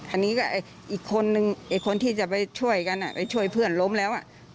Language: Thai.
อันนี้ก็อีกคนนึงไอ้คนที่จะไปช่วยกันไปช่วยเพื่อนล้มแล้ว